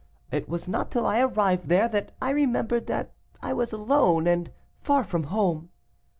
It was not till I arrived there that I remembered that I was alone, and far from home.